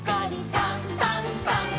「さんさんさん」